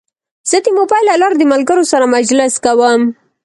زه د موبایل له لارې د ملګرو سره مجلس کوم.